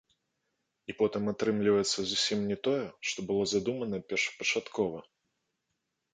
І потым атрымліваецца зусім не тое, што было задумана першапачаткова.